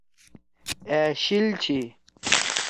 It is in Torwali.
أ شیِل چھی۔